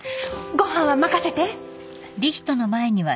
ご飯は任せて。